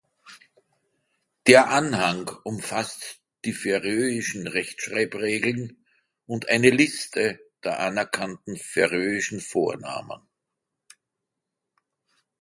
Der Anhang umfasst die färöischen Rechtschreibregeln und eine Liste der anerkannten färöischen Vornamen.